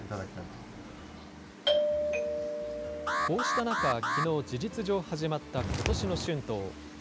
こうした中、きのう、事実上始まったことしの春闘。